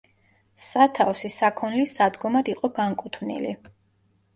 სათავსი საქონლის სადგომად იყო განკუთვნილი.